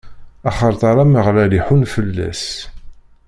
axaṭer Ameɣlal iḥunn fell-as.